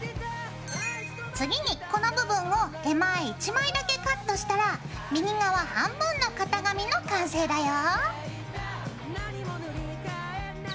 次にこの部分を手前１枚だけカットしたら右側半分の型紙の完成だよ。